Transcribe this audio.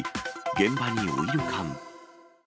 現場にオイル缶。